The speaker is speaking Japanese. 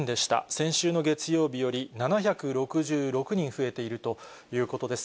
先週の月曜日より７６６人増えているということです。